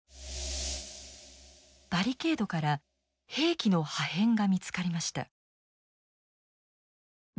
バリケードから兵器の破片が見つかりました。